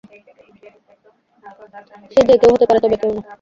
সে যে কেউ হতে পারে তবে কেউ না।